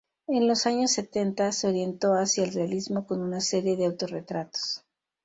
En los años setenta se orientó hacia el realismo con una serie de autorretratos.